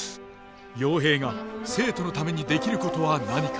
陽平が生徒のためにできることは何か。